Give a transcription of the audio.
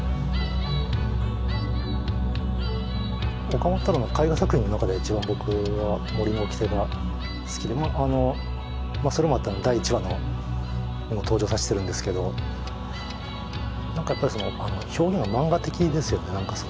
岡本太郎の絵画作品の中で一番僕は「森の掟」が好きでそれもあって第１話にも登場させてるんですけど何かやっぱり表現が漫画的ですよね。